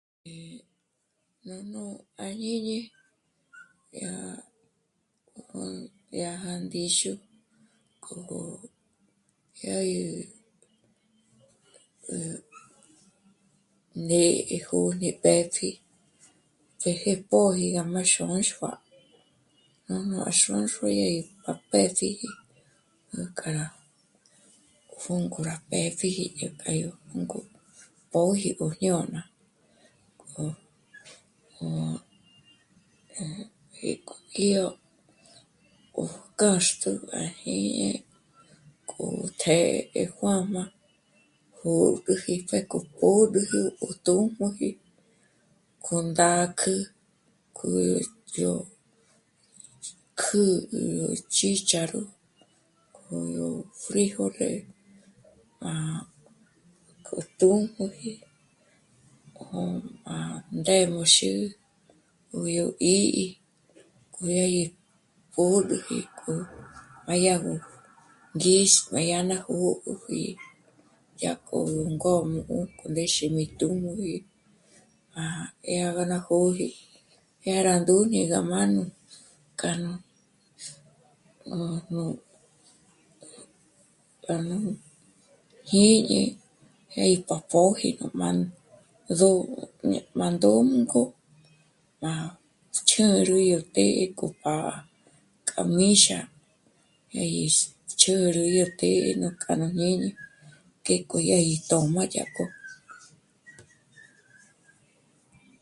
Nùjnú à jñíni dya já ndíxu k'o... jyâgi... né'e ni jó'o gí pë́pji péje póji gá m'à Xônxua. Nújnù à Xônxua gí pja pë́pji nújk'ará jônk'o rá pë́pjiji yó k'a yó jônk'o póji yó jñôna, k'o í yó 'ó kâxt'ü à jñíni k'o tjë̀'ë é juā̌jmā pjôgüji pjéko pjö̌rüji tū́jmuji kjo ndàkjü kjǘrü dyó kjǘrü yó chícharo, k'o yó fríjole a... kju tū́jmuji kjo m'a ndémòxi kó yó 'í'i, kodyaji pjö̀rüji k'o má dya gó ngîx, má dyá gó 'ö̀güji dyakjo kó'mú ku ndéxe mí tū́jmuji á... 'e dya ná jó'oji dyá rá ndúñi gá m'ánú... m'ánú à nú jǐñi, jé í gá pjö̀ji má ndzó'o m'a ndônk'o má chǚrüji yó pé'e kopá k'a míxa dya gí chǚrü yó té'e nú k'a nú jñíni ngéko dyá gí tö̌m'agö dyajko